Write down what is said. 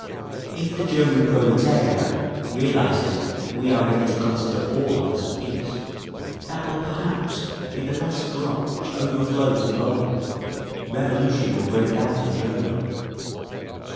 If the German proletariat realises that we are ready to consider all offers of peace, that will perhaps be the last drop which overflows the bowl—revolution will break out in Germany….